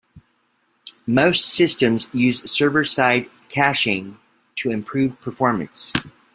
Most systems use server side caching to improve performance.